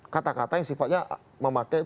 kata kata yang sifatnya memakai